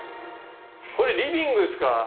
これリビングですか。